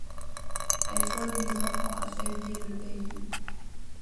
Elle forme les enfants à servir leur pays.